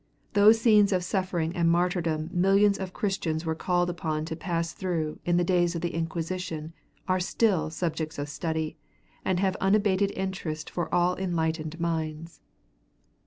Those scenes of suffering and martyrdom millions of Christians were called upon to pass through in the days of the Inquisition are still subjects of study, and have unabated interest for all enlightened minds.